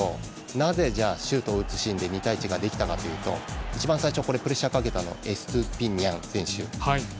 なぜじゃあシュートを打つシーンで２対１ができたかというと一番最初にプレッシャーをかけたのはエストゥピニャン選手。